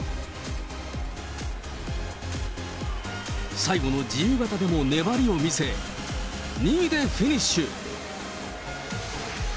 最後の自由形でも粘りを見せ、２位でフィニッシュ。